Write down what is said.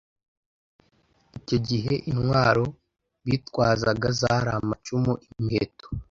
Icyo gihe intwaro bitwazaga zari, amacumu, imiheto